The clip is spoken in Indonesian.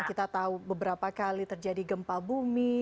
kita tahu beberapa kali terjadi gempa bumi